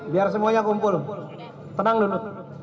biar semuanya kumpul tenang dulu